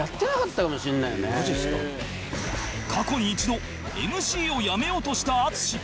過去に一度 ＭＣ を辞めようとした淳